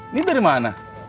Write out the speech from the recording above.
ini dari mana